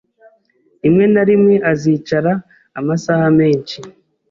Rimwe na rimwe azicara amasaha menshi.